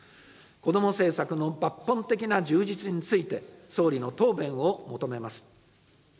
子ども政策の抜本的な充実について、総理の答弁を求めます。